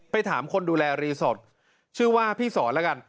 ถามคนดูแลรีสอร์ทชื่อว่าพี่สอนแล้วกัน